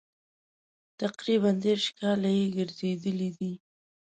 تقریبا دېرش کاله یې ګرځېدلي دي.